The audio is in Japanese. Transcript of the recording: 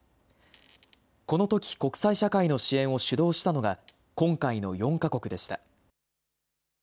このとき、国際社会の支援を主導したのが、今回の４か国でした。